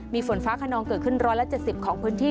มีฝนฟ้าขนองเกิดขึ้น๑๗๐ของพื้นที่